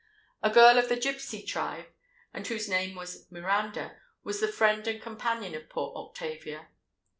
A girl of the gipsy tribe, and whose name was Miranda, was the friend and companion of poor Octavia.